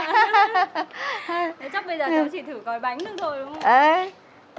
thế chắc bây giờ cháu chỉ thử còi bánh thôi đúng không ạ